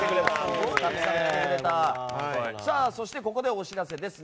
そして、ここでお知らせです。